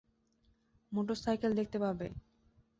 Motorcycle দেখতে পাবে।